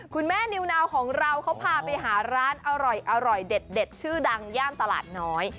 นิวนาวของเราเขาพาไปหาร้านอร่อยเด็ดชื่อดังย่านตลาดน้อย